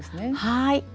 はい。